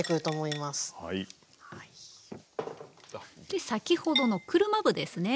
で先ほどの車麩ですね